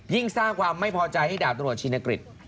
สร้างความไม่พอใจให้ดาบตำรวจชินกฤษ